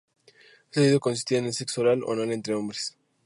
Este delito consistía en el sexo oral o anal entre hombres.